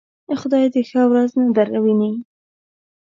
خدای دې ښه ورځ نه درويني.